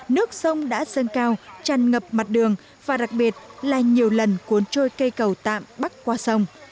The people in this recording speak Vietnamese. nước sông đã dâng cao tràn ngập mặt đường và đặc biệt là nhiều lần cuốn trôi cây cầu tạm bắc qua sông